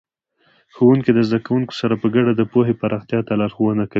ښوونکي د زده کوونکو سره په ګډه د پوهې پراختیا ته لارښوونه کوي.